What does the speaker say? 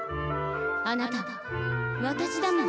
あなたは私だもの。